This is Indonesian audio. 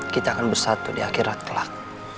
kita akan bersatu di akhirat kelak